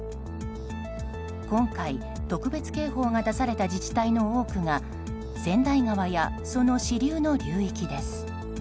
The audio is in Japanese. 今回、特別警報が出された自治体の多くが川内川や、その支流の流域です。